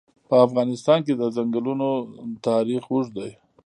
په افغانستان کې د ځنګلونه تاریخ اوږد دی.